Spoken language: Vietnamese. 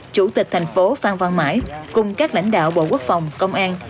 chủ tịch thành phố phan văn mãi cùng các lãnh đạo bộ quốc phòng công an